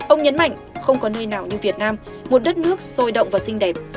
ông nhấn mạnh không có nơi nào như việt nam một đất nước sôi động và xinh đẹp